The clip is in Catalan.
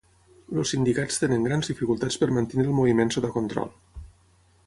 Els sindicats tenen grans dificultats per mantenir el moviment sota control.